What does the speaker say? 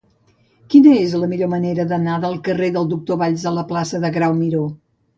Quina és la millor manera d'anar del carrer del Doctor Valls a la plaça de Grau Miró?